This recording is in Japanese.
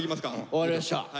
分かりました。